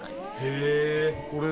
へえ！